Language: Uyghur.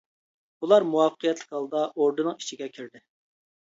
بۇلار مۇۋەپپەقىيەتلىك ھالدا ئوردىنىڭ ئىچىگە كىردى.